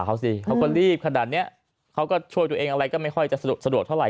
เขาก็รีบขนาดนี้เขาก็ช่วยตัวเองอะไรก็ไม่ค่อยจะสะดวกเท่าไห